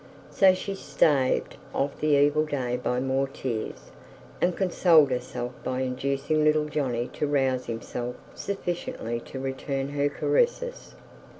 So she staved off the evil day by more tears, and consoled herself by inducing little Johnny to rouse himself sufficiently to return her caresses.